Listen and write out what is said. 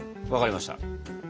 分かりました。